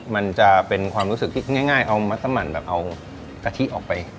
มันจะเป็นความรู้สึกที่ง่ายเอามัสมันแบบเอากะทิออกไป